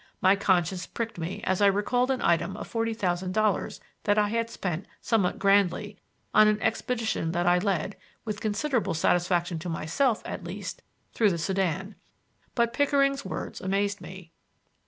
My conscience pricked me as I recalled an item of forty thousand dollars that I had spent—somewhat grandly—on an expedition that I led, with considerable satisfaction to myself, at least, through the Sudan. But Pickering's words amazed me.